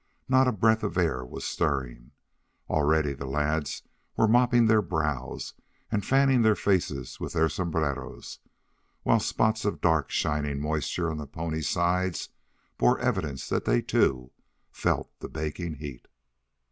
Not a breath of air was stirring. Already the lads were mopping their brows and fanning their faces with their sombreros, while spots of dark shining moisture on the ponies' sides bore evidence that they, too, felt the baking heat.